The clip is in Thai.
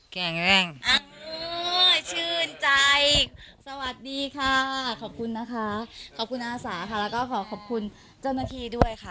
แกงแห้งชื่นใจสวัสดีค่ะขอบคุณนะคะขอบคุณอาสาค่ะแล้วก็ขอขอบคุณเจ้าหน้าที่ด้วยค่ะ